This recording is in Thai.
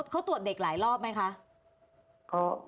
เขาตรวจเด็กหลายรอบไหมคะ